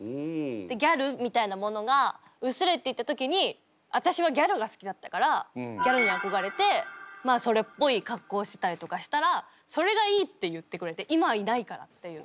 でギャルみたいなものが薄れていった時に私はギャルが好きだったからギャルに憧れてまあそれっぽい格好してたりとかしたらそれがいい！って言ってくれて今はいないからっていう。